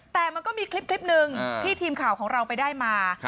แต่มันก็มีคลิปหนึ่งที่ทีมข่าวของเราไปได้มา